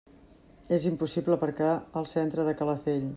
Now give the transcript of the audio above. És impossible aparcar al centre de Calafell.